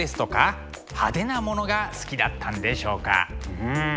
うん。